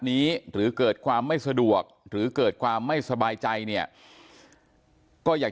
หรือเกิดความไม่สะดวกหรือเกิดความไม่สบายใจเนี่ยก็อยาก